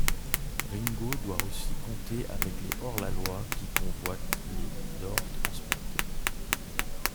Ringo doit aussi compter avec les hors-la-loi qui convoitent les d'or transportés.